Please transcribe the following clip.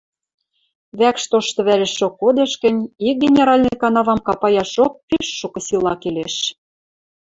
Вӓкш тошты вӓрешок кодеш гӹнь, ик генеральный канавам капаяшок пиш шукы сила келеш.